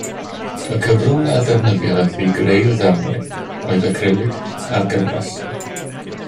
Y cyfrwng a ddefnyddiodd i greu'r ddelwedd oedd acrylig ar gynfas